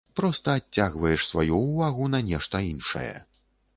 Проста адцягваеш сваю ўвагу на нешта іншае.